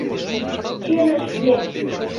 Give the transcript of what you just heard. Чыныш лектын.